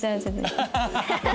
ハハハハ！